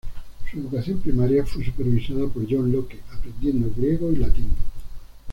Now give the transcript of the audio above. Su educación primaria fue supervisada por John Locke, aprendiendo griego y latín.